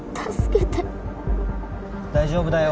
大丈夫だよ。